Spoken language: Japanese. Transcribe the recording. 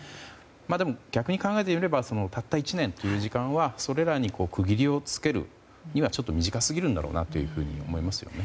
でも逆に考えてみればたった１年という時間はそれらに区切りをつけるには短すぎるんだろうなと思いますね。